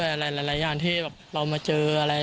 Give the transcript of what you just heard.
หลายอย่างที่เรามาเจอ